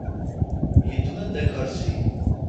Yeddem-d akersi.